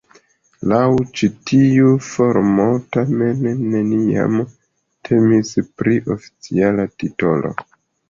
Laŭ ĉi tiu formo tamen neniam temis pri oficiala titolo.